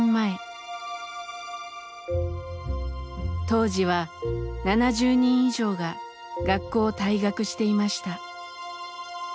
当時は７０人以上が学校を退学していました。